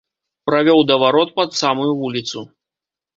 Правёў да варот пад самую вуліцу.